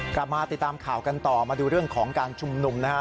กลับมาติดตามข่าวกันต่อมาดูเรื่องของการชุมนุมนะฮะ